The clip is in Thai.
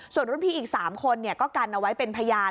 ส่วนรุ่นพี่อีก๓คนก็กันเอาไว้เป็นพยาน